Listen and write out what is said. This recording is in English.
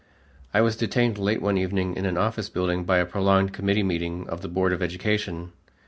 I was detained late one evening in an office building by a prolonged committee meeting of the Board of Education.